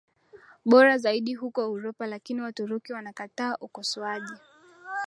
bora zaidi huko Uropa Lakini Waturuki wanakataa ukosoaji